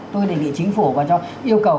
tôi đề nghị chính phủ và cho yêu cầu